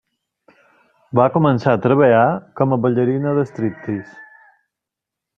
Va començar a treballar com a ballarina de striptease.